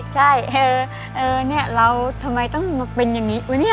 ใช่เนี่ยเราทำไมต้องมาเป็นอย่างนี้วะเนี่ย